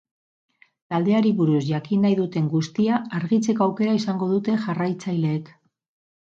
Taldeari buruz jakin nahi duten guztia argitzeko aukera izango dute jarraitzaileek.